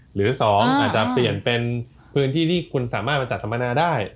หรือ๒อาจจะเปลี่ยนเป็นพื้นที่ที่คุณสามารถมาจัดสัมมนาได้